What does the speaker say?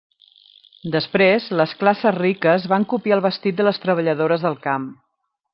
Després, les classes riques van copiar el vestit de les treballadores del camp.